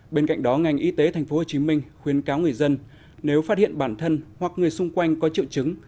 bên cạnh đó ngành y tế tp hcm khuyến cáo người dân nếu phát hiện bản thân hoặc người xung quanh có triệu chứng